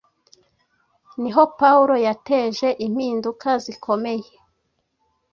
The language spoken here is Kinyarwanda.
ni ho Pawulo yateje impinduka zikomeye